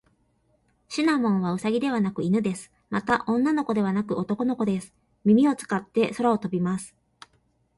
シナモンはウサギではなく犬です。また、女の子ではなく男の子です。耳を使って空を飛びます。